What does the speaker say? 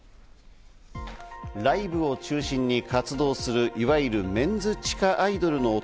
ライブを中心に活動する、いわゆるメンズ地下アイドルの男